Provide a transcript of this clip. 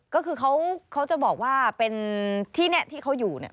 ก็คือเขาจะบอกว่าเป็นที่เนี่ยที่เขาอยู่เนี่ย